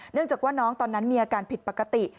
จากว่าน้องตอนนั้นมีอาการผิดปกติ